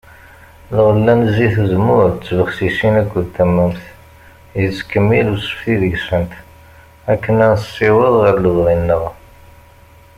Lɣella n zzit n uzemmur d tbexsisin akked tamemt, yettkemmil usefti deg-sent akken ad nessiweḍ ɣar lebɣi-nneɣ.